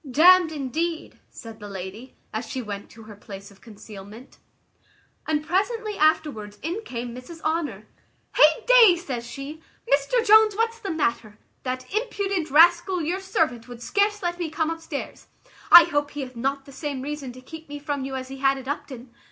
"D n'd indeed!" said the lady, as she went to her place of concealment; and presently afterwards in came Mrs Honour. "Hey day!" says she, "Mr Jones, what's the matter? That impudent rascal your servant would scarce let me come upstairs. I hope he hath not the same reason to keep me from you as he had at Upton.